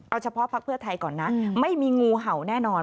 เอาเฉพาะพักเพื่อไทยก่อนนะไม่มีงูเห่าแน่นอน